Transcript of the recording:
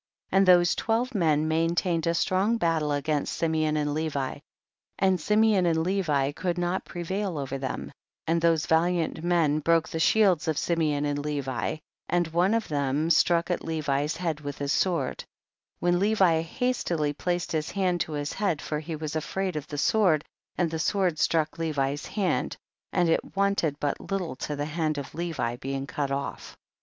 38. And those twelve men main tained a strong battle against Simeon and Levi, and Simeon and Levi could not prevail over them, and those valiant men broke the shields of Simeon and Levi, and one of them struck at Levi's head with his sword, when Levi hastily placed his hand to his head, for he was afraid of the * This is a figurative expression in the He brew, ta express an exceeding great height. sword, and the sword struck Levi's hand, and it wanted but little to the hand of Levi being cut off.